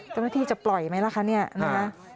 ตำรวจที่จะปล่อยไหมล่ะคะ